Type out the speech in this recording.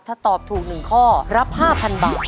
ถ้าตอบถูก๑ข้อรับ๕๐๐๐บาท